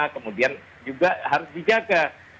kemudian juga harus dijaga